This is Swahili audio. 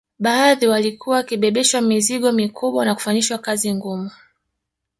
Baadhi walikuwa wakibebeshwa mizigo mikubwa na kufanyishwa kazi ngumu